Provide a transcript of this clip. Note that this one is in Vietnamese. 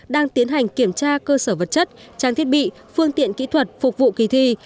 đang tiến hành kiểm tra cơ sở vật chất trang thiết bị phương tiện kỹ thuật phục vụ kỳ thi